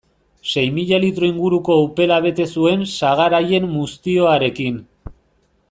Sei mila litro inguruko upela bete zuen sagar haien muztioarekin.